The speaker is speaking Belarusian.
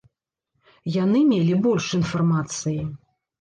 Яны мелі больш інфармацыі.